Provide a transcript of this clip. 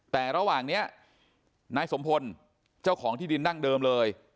แต่ระหว่างนี้นายสมพลเจ้าของที่ดินนั่งเดิมเลย